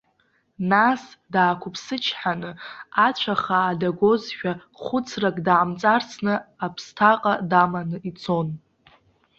Нас даақәыԥсычҳаны, ацәа хаа дагозшәа, хәыцрак даамҵарсны аԥсҭаҟа даманы ицон.